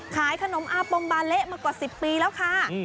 ขายขนมอาปงบาเละมากว่า๑๐ปีแล้วค่ะ